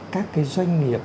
các cái doanh nghiệp